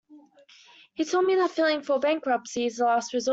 He told me that filing for bankruptcy is the last resort.